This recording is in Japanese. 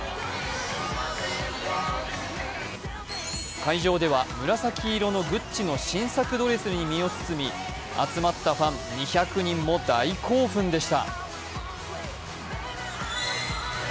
会場では紫色のＧＵＣＣＩの新作ドレスに身を包み、集まったファン２００人も大興奮でした。